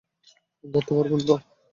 ধরতে পারবেন তো?